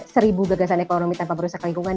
seribu gagasan ekonomi tanpa merusak lingkungan